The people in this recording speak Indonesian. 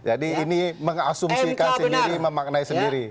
ini mengasumsikan sendiri memaknai sendiri